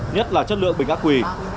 nhất là chất lượng bình ác quỳ